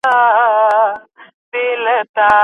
مادام ژان دیولافوا د اصفهان ودانۍ له نږدې وکتلې.